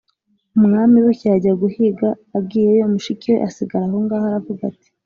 umwami bukeye ajya guhiga, agiyeyo, mushiki we asigara aho ngaho, aravuga ati: